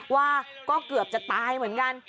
ว่าก็เกือบจะตายเหมือนกัน